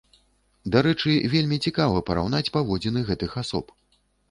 Дарэчы, вельмі цікава параўнаць паводзіны гэтых асоб.